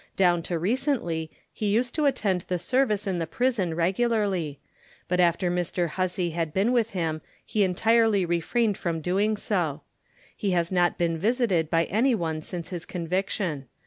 Down to recently he used to attend the service in the prison regularly, but after Mr. Hussey had been with him he entirely refrained from doing so. He has not been visited by any one since his conviction.